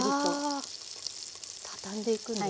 あ畳んでいくんですね。